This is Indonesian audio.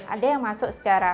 ada yang masuk secara